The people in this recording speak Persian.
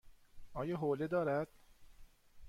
آیا حوله دارد؟